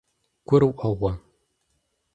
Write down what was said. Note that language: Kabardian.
ГурыӀуэгъуэ?